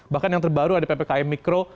bahkan yang terbaru ada ppkm mikro